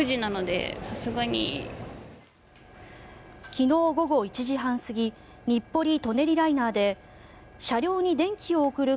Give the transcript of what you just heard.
昨日午後１時半過ぎ日暮里・舎人ライナーで車両に電気を送る